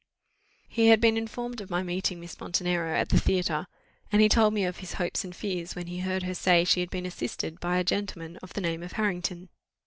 He had been informed of my meeting Miss Montenero at the theatre: and he told me of his hopes and fears when he heard her say she had been assisted by a gentleman of the name of Harrington.